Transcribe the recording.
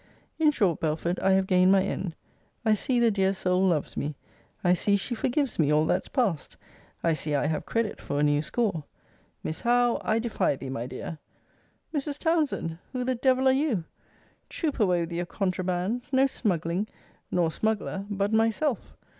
In short, Belford, I have gained my end. I see the dear soul loves me. I see she forgives me all that's past. I see I have credit for a new score. Miss Howe, I defy thee, my dear Mrs. Townsend! Who the devil are you? Troop away with your contrabands. No smuggling! nor smuggler, but myself!